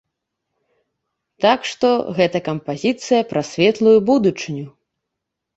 Так што, гэта кампазіцыя пра светлую будучыню!